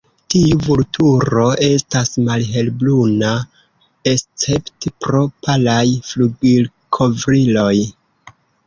Tiu vulturo estas malhelbruna escepte pro palaj flugilkovriloj.